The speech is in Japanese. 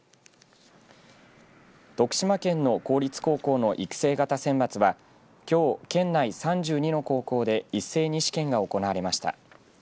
徳島県の公立高校の育成型選抜はきょう県内３２の高校で一斉に試験が行われました。